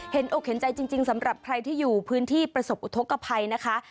อกเห็นใจจริงสำหรับใครที่อยู่พื้นที่ประสบอุทธกภัยนะคะ